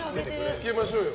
つけましょうよ。